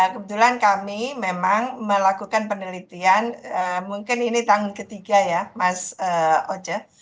kebetulan kami memang melakukan penelitian mungkin ini tahun ketiga ya mas oce